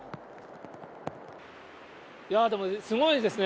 いやー、でもすごいですね。